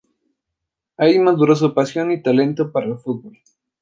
Ahí madura su pasión y talento para el fútbol.